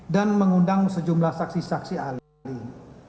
dan mengundang sejumlah saksi saksi alih